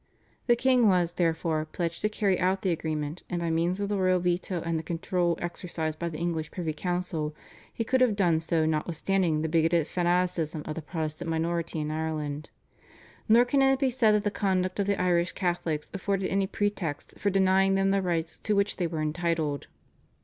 The king was, therefore, pledged to carry out the agreement, and by means of the royal veto and the control exercised by the English privy council he could have done so notwithstanding the bigoted fanaticism of the Protestant minority in Ireland. Nor can it be said that the conduct of the Irish Catholics afforded any pretext for denying them the rights to which they were entitled.